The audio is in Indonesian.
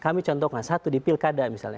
kami contohkan satu di pilkada misalnya